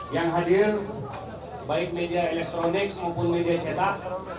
yang hadir baik media elektronik maupun media cetak